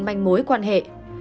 manh mối quan hệ